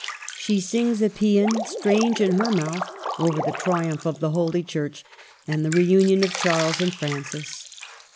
She sings a paean, strange in her mouth, over the triumph of the Holy Church and the reunion of Charles and Francis.